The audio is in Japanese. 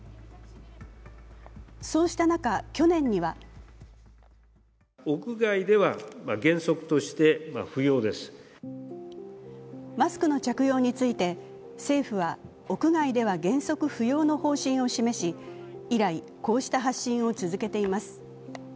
そうした中、去年にはマスクの着用について政府は、屋外では原則不要の方針を示し以来、こうした発信を続けています